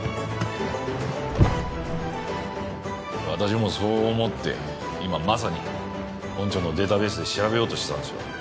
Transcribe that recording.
私もそう思って今まさに本庁のデータベースで調べようとしてたんですよ。